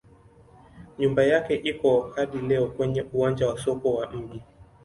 Nyumba yake iko hadi leo kwenye uwanja wa soko wa mji.